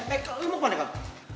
eh eh lo mau kemana kal